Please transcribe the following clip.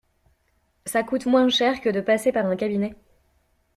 Ça coûte moins cher que de passer par un cabinet.